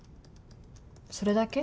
それだけ？